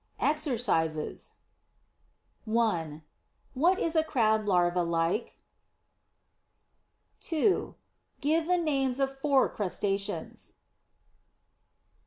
EXERCISES 1. What is a Crab larva like? 2. Give the names of four crustaceans.